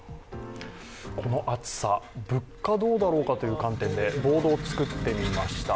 この暑さ、物価はどうだろうかという観点でボードを作ってみました。